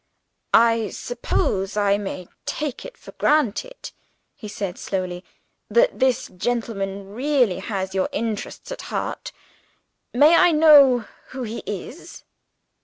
"I suppose I may take it for granted," he said slyly, "that this gentleman really has your interests at heart? May I know who he is?"